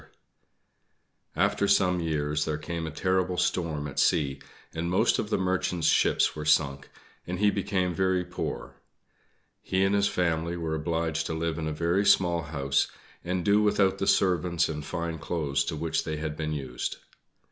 After some years there came a terrible storm at sea, and most of the Merchant's ships were sunk, and he became very poor. He and his family were obliged to live in a very small house and do without the servants and fine clothes to which they had been used.